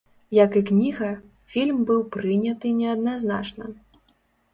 Як і кніга, фільм быў прыняты неадназначна.